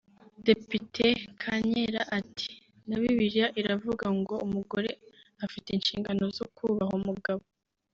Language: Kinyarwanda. Depite Kankera ati “Na Bibiliya iravuga ngo umugore afite inshingano zo kubaha umugabo